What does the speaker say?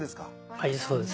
はいそうです。